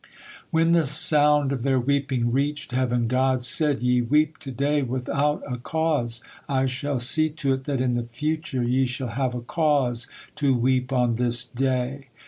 When the sound of their weeping reached heaven, God said: "Ye weep to day without a cause, I shall see to it that in the future ye shall have a cause to weep on this day."